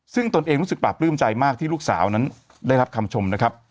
ซึ่งตนเองรู้สึกปราบปลื้มใจมากที่ลูกสาวนั้นได้รับคำชมนะครับ